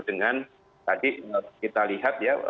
dengan tadi kita lihat ya